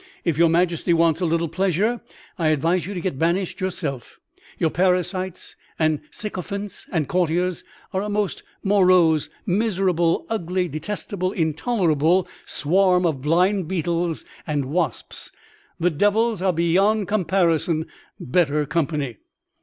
If your Majesty wants a little pleasure, I advise you to get banished yourself. Your parasites and sycophants and courtiers are a most morose, miserable, ugly, detestable, intolerable swarm of blind beetles and wasps; the devils are beyond comparison better company."